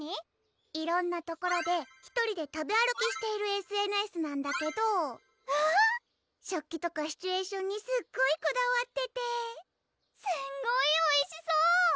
色んな所で１人で食べ歩きしているＳＮＳなんだけどわぁ食器とかシチュエーションにすっごいこだわっててすんごいおいしそう！